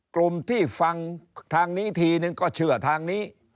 กลุ่มที่ฟังทางนี้ทีนึงก็เชื่อทางนี้